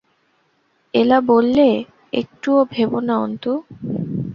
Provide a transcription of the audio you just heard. এলা বললে, একটুও ভেবো না অন্তু।